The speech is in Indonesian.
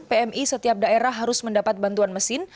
pmi setiap daerah harus mendapat bantuan mesin